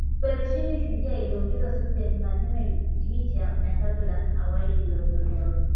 Operesheni Shujaa iliongezwa siku ya Jumatano licha ya tangazo la awali lililotolewa